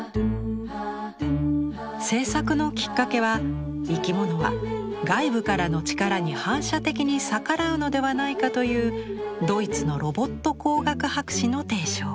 制作のきっかけは生き物は外部からの力に反射的に逆らうのではないかというドイツのロボット工学博士の提唱。